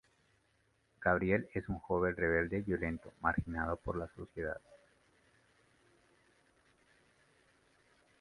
Gabriel es un joven rebelde y violento marginado por la sociedad.